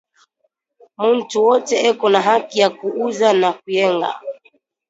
Muntu wote eko na haki ya ku uza na kuyenga